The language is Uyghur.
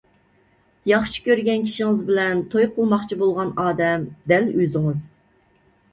ياخشى كۆرگەن كىشىڭىز بىلەن توي قىلماقچى بولغان ئادەم دەل ئۆزىڭىز!